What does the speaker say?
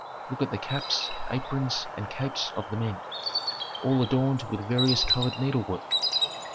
Look at the caps, aprons, and capes of the men: all adorned with various colored needlework.